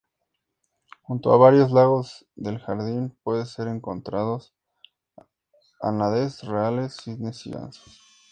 Junto a varios lagos del jardín pueden ser encontrados ánades reales, cisnes y gansos.